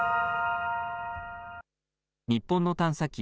日本の探査機